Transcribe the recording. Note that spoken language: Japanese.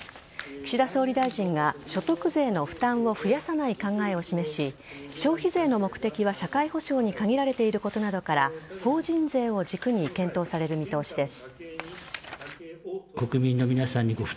岸田総理大臣が所得税の負担を増やさない考えを示し消費税の目的は社会保障に限られていることなどから法人税を軸に検討される見通しです。